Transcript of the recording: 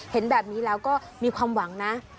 เห็นแบบนี้แล้วก็มีความหวังนะ